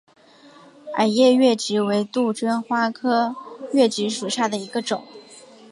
耳叶越桔为杜鹃花科越桔属下的一个种。